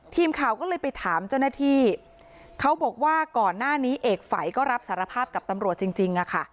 ทีมข่าวก็เลยไปถามเจ้าหน้าที่เขาบอกว่าก่อนหน้านี้เอกฝัยก็รับสารภาพกับตำรวจจริงจริงอะค่ะ